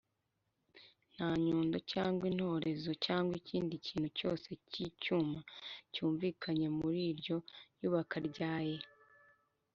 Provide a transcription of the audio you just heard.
nta nyundo cyangwa intorezo cyangwa ikindi kintu cyose cy’icyuma cyumvikanye muri iryo yubaka ryaye